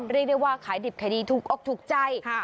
เรียกได้ว่าขายดิบขายดีถูกอกถูกใจ